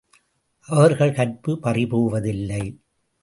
அவர்கள் கற்பு பறிபோவதில்லை.